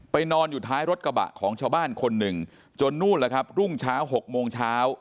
นอนอยู่ท้ายรถกระบะของชาวบ้านคนหนึ่งจนนู่นแล้วครับรุ่งเช้า๖โมงเช้า